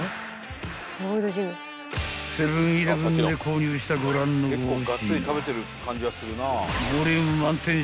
［セブン−イレブンで購入したご覧の５品］